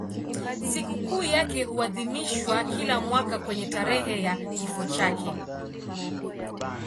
Sikukuu yake huadhimishwa kila mwaka kwenye tarehe ya kifo chake.